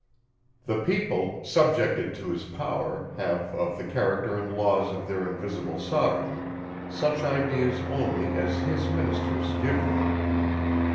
The people, subjected to his power, have, of the character and laws of their invisible sovereign, such ideas only, as his ministers give them.